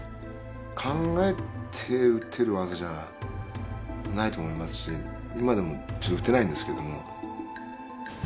考えて打てる技じゃないと思いますし今でも打てないんですけれども。